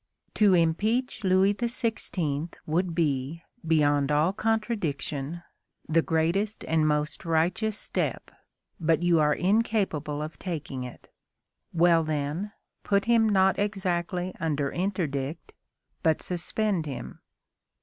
To impeach Louis XVI. would be, beyond all contradiction, the greatest and most righteous step, but you are incapable of taking it. Well then, put him not exactly under interdict, but suspend him."